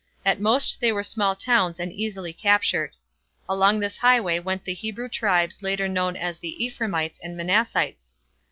At most they were small towns and easily captured. Along this highway went the Hebrew tribes later known as the Ephraimites and Manassites.